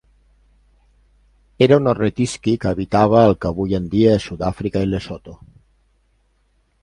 Era un ornitisqui que habitava al que avui en dia és Sud-àfrica i Lesotho.